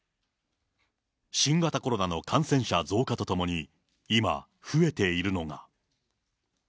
新型コロナの感染者増加とともに、今、増えているのが。